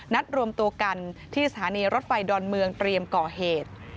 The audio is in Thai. รวมตัวกันที่สถานีรถไฟดอนเมืองเตรียมก่อเหตุ